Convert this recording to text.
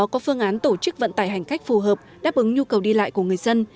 có phương án tổ chức vận tải hành khách phù hợp đáp ứng nhu cầu đi lại của người dân